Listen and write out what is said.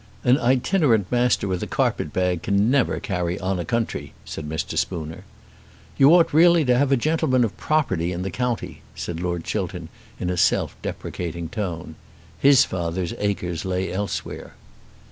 "An itinerant Master with a carpet bag never can carry on a country," said Mr. Spooner. "You ought really to have a gentleman of property in the county," said Lord Chiltern, in a self deprecating tone. His father's acres lay elsewhere.